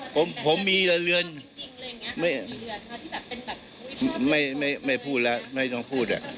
ไปเอาที่ไหนมาไม่มีหรอก